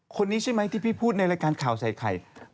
คนนี้ใช่ไหมที่พี่พูดในรายการข่าวใส่ไข่